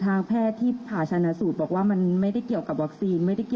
ถ้าแพทย์ผ้าทางชาญสูตรบอกว่ามันจะไม่เกี่ยวกับวัคซีล